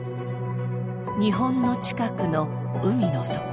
日本の近くの海の底。